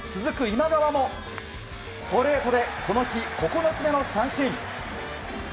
今川もストレートでこの日９つ目の三振。